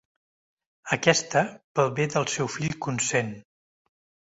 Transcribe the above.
Aquesta, pel bé del seu fill consent.